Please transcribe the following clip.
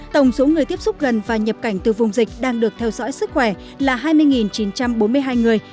tổng số người tiếp xúc gần và nhập cảnh từ vùng dịch đang được theo dõi sức khỏe là hai mươi chín trăm bốn mươi hai người